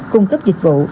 cung cấp dịch vụ